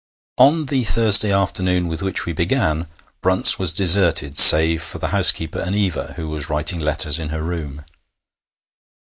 On the Thursday afternoon with which we began, Brunt's was deserted save for the housekeeper and Eva, who was writing letters in her room.